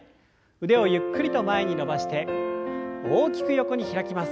腕をゆっくりと前に伸ばして大きく横に開きます。